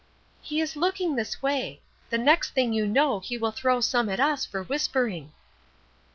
"He is looking this way. The next thing you know he will throw some at us for whispering."